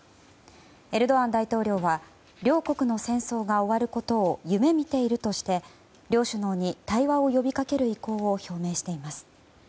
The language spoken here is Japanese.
エルドアン大統領は両国の戦争が終わることを夢見ているとして両首脳に対話を呼びかける意向を表明しています。